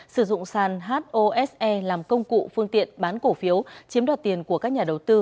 sử dụng sàn hose làm công cụ phương tiện bán cổ phiếu chiếm đoạt tiền của các nhà đầu tư